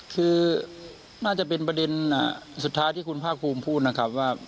คือน่าจะเป็นประเด็นสุดท้ายที่คุณภาคภูมิพูดนะครับว่า